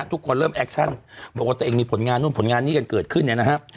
ทุกคนเริ่มแอคชั่นบอกว่าตัวเองมีผลงานนู่นผลงานนี้กันเกิดขึ้นเนี่ยนะฮะ